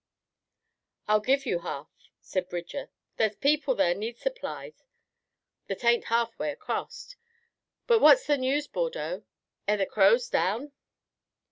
"I'll give ye half," said Bridger. "Thar's people here needs supplies that ain't halfway acrost. But what's the news, Bordeaux? Air the Crows down?"